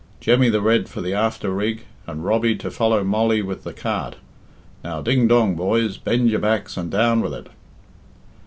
Jemmy the Red for the after rig, and Robbie to follow Mollie with the cart Now ding dong, boys, bend your backs and down with it."